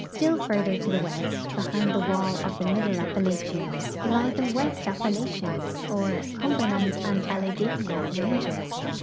Still further to the west, behind the wall of the Middle Appalachians, lie the West Appalachians or Cumberland and Alleghany ranges.